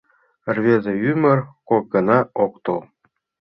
Рвезе ӱмыр кок гана ок тол